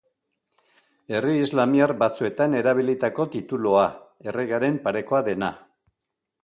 Herri islamiar batzuetan erabilitako titulua, erregearen parekoa dena.